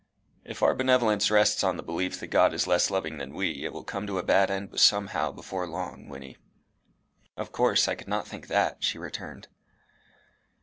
"If our benevolence rests on the belief that God is less loving than we, it will come to a bad end somehow before long, Wynnie." "Of course, I could not think that," she returned.